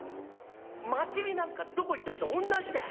祭りなんかどこ行ったって同じだ。